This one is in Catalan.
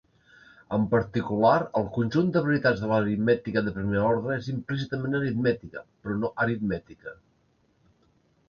En particular, el conjunt de veritats de l'aritmètica de primer ordre és implícitament aritmètica, però no aritmètica.